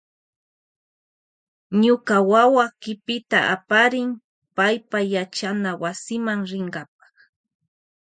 Ñuka wawa kipita aparin payapa yachanawasima rinkapa.